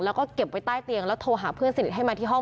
แล้วก็เก็บไว้ใต้เตียงแล้วโทรหาเพื่อนสนิทให้มาที่ห้อง